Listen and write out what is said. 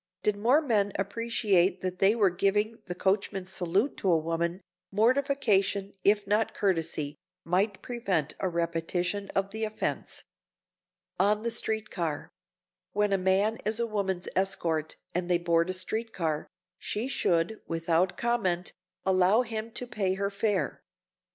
Did more men appreciate that they were giving the "coachman's salute" to a woman, mortification, if not courtesy, might prevent a repetition of the offense. [Sidenote: ON THE STREET CAR] When a man is a woman's escort and they board a street car, she should, without comment, allow him to pay her fare.